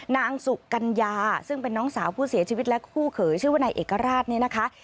นางสุกัญญาซึ่งเป็นน้องสาวผู้เสียชีวิตและคู่เขยชื่อว่านายเอกราชเนี่ยนะคะ